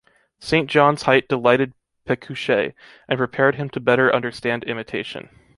Saint John's height delighted Pecuchet, and prepared him to better understand Imitation.